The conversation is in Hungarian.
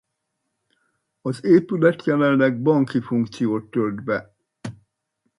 Az épület jelenleg banki funkciót tölt be.